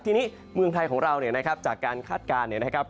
ทีนี้เมืองไทยของเราเนี่ยนะครับจากการคาดการณ์เนี่ยนะครับ